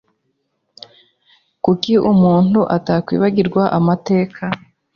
kuko umuntu atakwibagirwa amateka